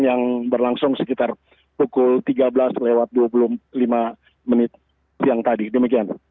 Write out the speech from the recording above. yang berlangsung sekitar pukul tiga belas lewat dua puluh lima menit siang tadi demikian